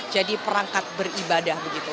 jadi perangkat beribadah begitu